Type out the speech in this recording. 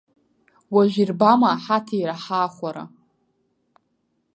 Уажә ирбама ҳаҭира, ҳаахәара!